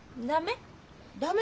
駄目？